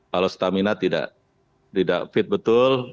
kalau stamina tidak fit betul